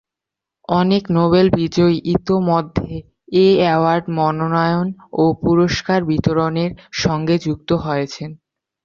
অনেক নোবেল বিজয়ী ইতিমধ্যে এ অ্যাওয়ার্ড মনোনয়ন ও পুরস্কার বিতরণের সঙ্গে যুক্ত হয়েছেন।